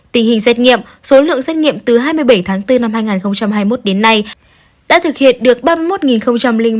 tình hình xét nghiệm số lượng xét nghiệm từ hai mươi bảy tháng bốn năm hai nghìn hai mươi một đến nay đã thực hiện được ba mươi một một hai trăm năm mươi mẫu tương đương